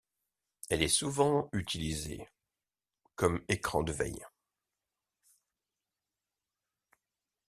Elle est souvent utilisée comme écran de veille.